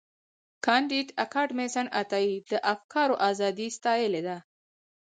کانديد اکاډميسن عطایي د افکارو ازادي ستایلې ده.